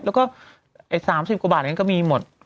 แล้วก็๓๐กว่าบาทนั้นก็มีหมด